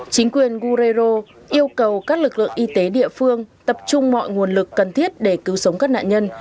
chính quyền guerrero yêu cầu các lực lượng y tế địa phương tập trung mọi nguồn lực cần thiết để cứu sống các nạn nhân